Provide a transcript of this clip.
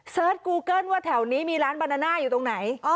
กูเกิ้ลว่าแถวนี้มีร้านบานาน่าอยู่ตรงไหน